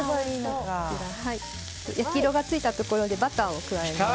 焼き色がついたところでバターを加えます。